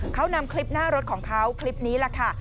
เขานำคลิปหน้ารถของเขาคลิปนี้แหละค่ะ